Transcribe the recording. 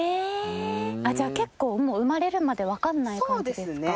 じゃあ結構生まれるまでわからない感じですか？